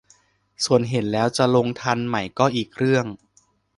ส่วนเห็นแล้วจะลงทันไหมก็อีกเรื่อง